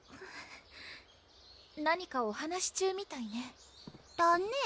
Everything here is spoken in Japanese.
何かお話し中みたいねだね・